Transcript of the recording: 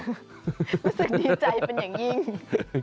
รู้สึกดีใจเป็นอย่างยิ่ง